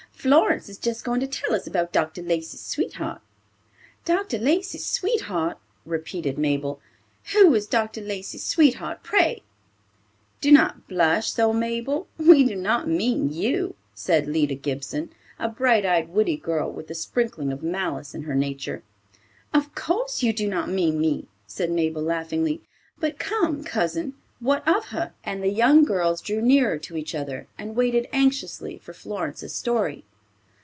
Florence is just going to tell us about Dr. Lacey's sweetheart." "Dr. Lacey's sweetheart!" repeated Mabel. "Who is Dr. Lacey's sweetheart, pray?" "Do not blush so, Mabel; we do not mean you," said Lida Gibson, a bright eyed, witty girl, with a sprinkling of malice in her nature. "Of course you do not mean me," said Mabel, laughingly. "But come, cousin; what of her?" And the young girls drew nearer to each other, and waited anxiously for Florence's story.